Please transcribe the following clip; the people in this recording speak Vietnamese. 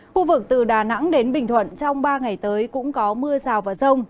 khu vực từ đà nẵng đến bình thuận trong ba ngày tới cũng có mưa rào và rông